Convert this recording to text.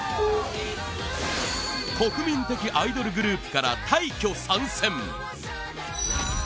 国民的アイドルグループから大挙参戦！